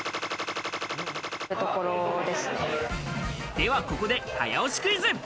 ではここで早押しクイズ。